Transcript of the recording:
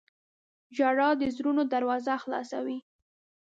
• ژړا د زړونو دروازه خلاصوي.